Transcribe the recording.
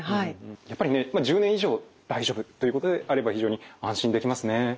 やっぱりね１０年以上大丈夫ということであれば非常に安心できますね。